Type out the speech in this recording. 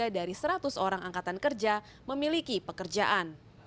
tiga dari seratus orang angkatan kerja memiliki pekerjaan